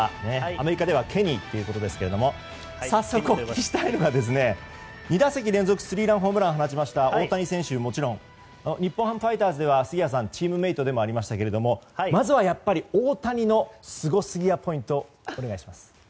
早速お聞きしたいのが２打席連続スリーランホームランを放ちました大谷選手はもちろん日本ハムファイターズでは杉谷さんチームメートでもありましたがまずはやはり大谷のスゴすぎやポイントをお願いします。